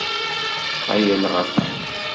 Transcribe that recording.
Ttxayaleɣ aṭas.